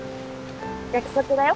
約束だよ。